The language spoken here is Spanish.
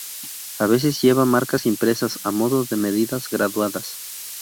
A veces lleva marcas impresas a modo de medidas graduadas.